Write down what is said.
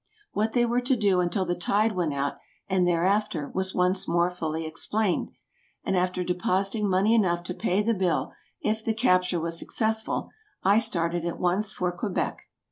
What they were to do until the tide went out and thereafter was once more fully explained; and after depositing money enough to pay the bill, if the capture was successful, I started at once for Quebec.